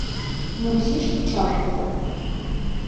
Но изиш вучалтыза.